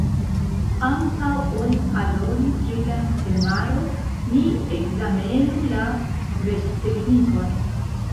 Antaŭ ol paroli pri la temaro, ni ekzamenu la versteknikon.